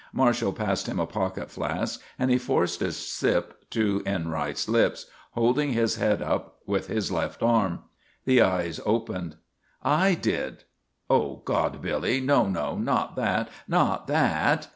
Marshall passed him a pocket flask and he forced a sip to Enright's lips, holding his head up with his left arm. The eyes opened. "I did." "Oh, God, Billy! No, no! Not that, not that!"